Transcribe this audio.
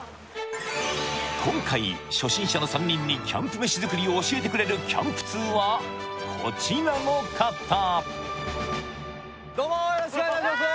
今回初心者の３人にキャンプ飯作りを教えてくれるキャンプ通はこちらの方どうもよろしくお願いいたします